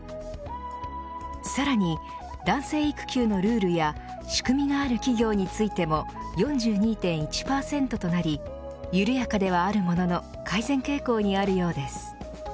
さらに、男性育休のルールや仕組みがある企業についても４２．１％となり緩やかではあるものの改善傾向にあるようです。